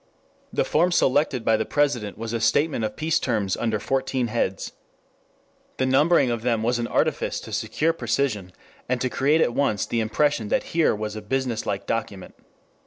The form selected by the President was a statement of peace terms under fourteen heads. The numbering of them was an artifice to secure precision, and to create at once the impression that here was a business like document.